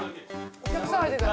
お客さん入ってきた！